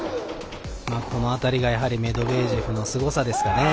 この辺りがメドベージェフのすごさですかね。